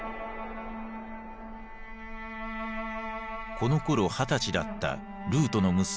このころ二十歳だったルートの娘